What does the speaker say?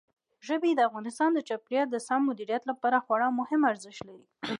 ژبې د افغانستان د چاپیریال د سم مدیریت لپاره خورا مهم ارزښت لري.